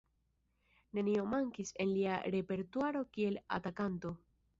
Nenio mankis en lia repertuaro kiel atakanto.